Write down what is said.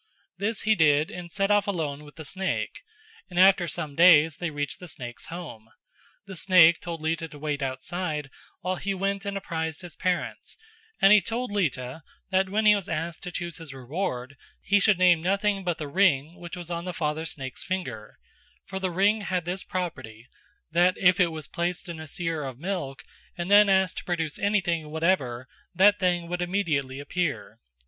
This he did and set off alone with the snake, and after some days they reached the snake's home. The snake told Lita to wait outside while he went and apprized his parents and he told Lita that when he was asked to choose his reward he should name nothing but the ring which was on the father snake's finger, for the ring had this property that if it were placed in a seer of milk and then asked to produce anything whatever, that thing would immediately appear.